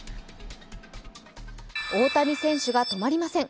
大谷選手が止まりません。